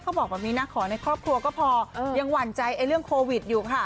เขาบอกว่ามีนักขอในครอบครัวก็พอยังหวานใจเรื่องโควิดอยู่ค่ะ